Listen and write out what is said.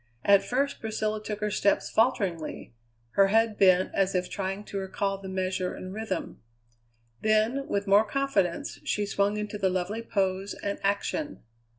At first Priscilla took her steps falteringly, her head bent as if trying to recall the measure and rhythm; then with more confidence she swung into the lovely pose and action.